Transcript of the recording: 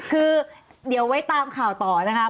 คือเดี๋ยวไว้ตามข่าวต่อนะคะ